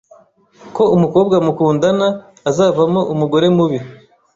ko umukobwa mukundana azavamo umugore mubi